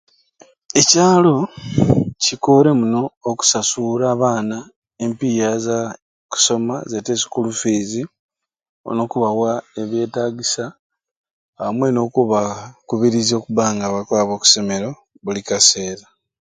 Ekyalo kikore muno okusasura abaana empiiya za kusoma zete school fees nokubawa ebyetagisa amwei nokubaakubiriza okuba nga bakwaba oku masomero buli kaseera